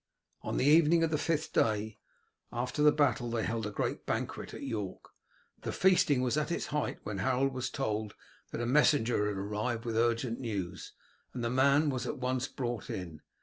On the evening of the fifth day after the battle they held a great banquet at York. The feasting was at its height when Harold was told that a messenger had arrived with urgent news, and the man was at once brought in.